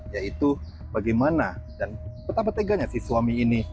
yaitu bagaimana dan betapa teganya si suami ini